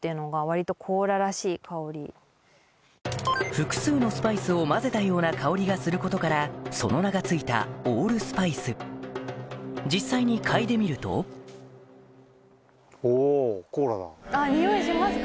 複数のスパイスを混ぜたような香りがすることからその名が付いたオールスパイス実際に嗅いでみると匂いしますか？